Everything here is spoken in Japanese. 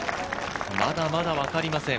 まだまだ分かりません。